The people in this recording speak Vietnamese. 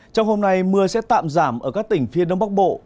trong hôm nay mưa sẽ tạm giảm ở các tỉnh phía đông bắc bộ